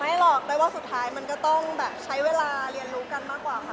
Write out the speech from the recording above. หรอกแต่ว่าสุดท้ายมันก็ต้องแบบใช้เวลาเรียนรู้กันมากกว่าค่ะ